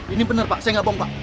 ini bener pak saya gak bohong pak